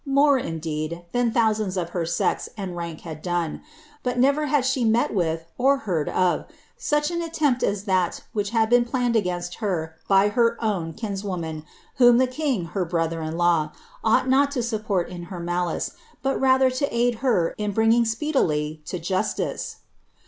more, indeed, than thonsandg of Iter scs and "rank had d.WE ; but never had she met wiili, or heard oi, Buch an attempt as that which had been planned against her by her o«a kinswoman, whom the king, lier brother in law, ought not to support in her malice, but rather to aid her in bringing speedily to justice."